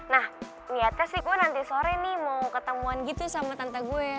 nah lihatkah sih gue nanti sore nih mau ketemuan gitu sama tante gue